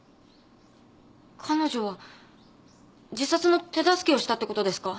彼女は自殺の手助けをしたってことですか？